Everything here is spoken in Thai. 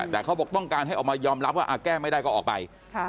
แต่เขาบอกต้องการให้ออกมายอมรับว่าแก้ไม่ได้ก็ออกไป